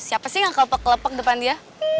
siapa sih yang kelepek kelepek depan dia